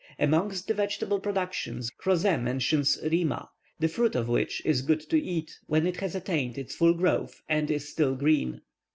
Amongst the vegetable productions, Crozet mentions "Rima," the fruit of which is good to eat, when it has attained its full growth and is still green.